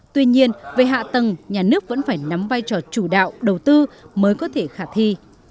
tuy nhiên về hạ tầng nhà nước vẫn phải nắm vai trò chủ đạo đầu tư mới có thể khả thi